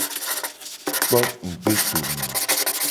Kpo ngugbedome.